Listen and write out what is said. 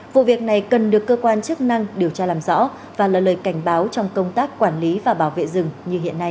vụ việc này cần được cơ quan chức năng điều tra làm rõ và là lời cảnh báo trong công tác quản lý và bảo vệ rừng như hiện nay